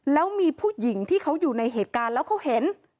แล้วมีผู้หญิงที่เขาอยู่ในเหตุการณ์แล้วเขาเห็น